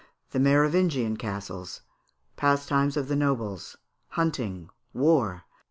The Merovingian Castles. Pastimes of the Nobles; Hunting, War.